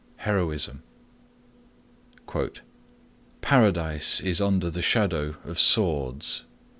HEROISM "Paradise is under the shadow of swords."